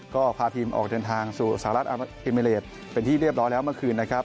ก็พาทีมออกเดินทางสู่สหรัฐอาเมเลสเป็นที่เรียบร้อยแล้วเมื่อคืนนะครับ